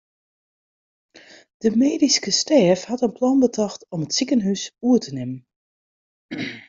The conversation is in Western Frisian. De medyske stêf hat in plan betocht om it sikehûs oer te nimmen.